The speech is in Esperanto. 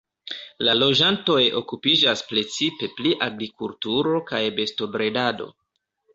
La loĝantoj okupiĝas precipe pri agrikulturo kaj bestobredado.